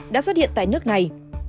đã xuất hiện tại nước này